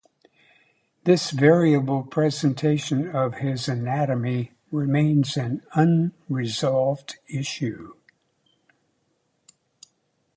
This variable presentation of his anatomy remains an unresolved issue.